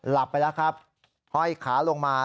หลับไปแล้วครับห้อยขาลงมา